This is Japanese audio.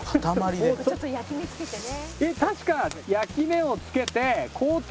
「ちょっと焼き目付けてね」